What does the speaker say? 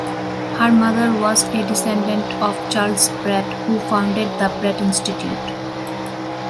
Her mother was a descendent of Charles Pratt, who founded the Pratt Institute.